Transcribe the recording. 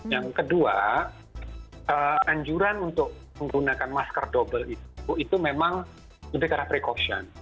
yang kedua anjuran untuk menggunakan masker double itu itu memang lebih ke arah precaution